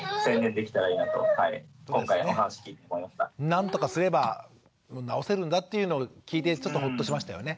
何とかすれば治せるんだっていうのを聞いてちょっとホッとしましたよね。